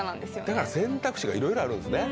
だから選択肢がいろいろあるんですね。